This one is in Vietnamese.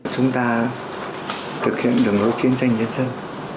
chúng ta thực hiện đường lối chiến tranh nhân dân